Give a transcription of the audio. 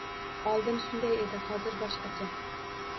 Oldin shunday edi, hozir boshqacha.